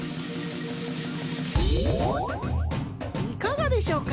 いかがでしょうか？